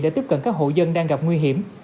để tiếp cận các hộ dân đang gặp nguy hiểm